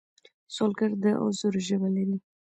سوالګر د عذر ژبه لري